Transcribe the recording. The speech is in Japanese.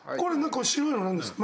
白いのは何ですか？